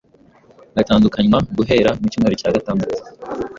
bitandukanywa guhera mu cyumweru cya gtandatu